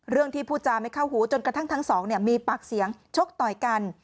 ที่พูดจาไม่เข้าหูจนกระทั่งทั้งสองมีปากเสียงชกต่อยกัน